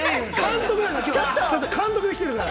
監督で来てるから。